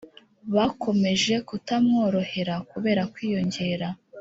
bakomeje kutamworohera kubera kwiyongera